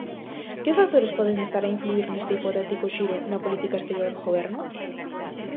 Que factores poden estar a influír neste hipotético xiro na política exterior do goberno?